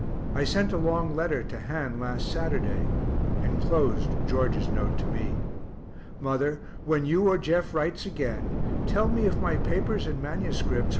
I sent a long letter to Han last Saturday enclosed George's note to me. Mother, when you or Jeff writes again, tell me if my papers and MSS.